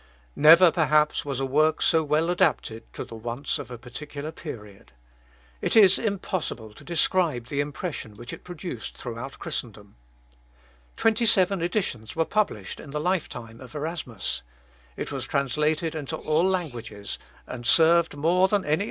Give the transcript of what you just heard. Never, perhaps, was a work so well adapted to the wants of a particular period. It is impossible to describe the impression which it produced throughout Christendom. Twenty seven editions were published in the lifetime of Erasmus; it was translated into all languages, and served more than any other to confirm the age in its antisacerdotal tendency.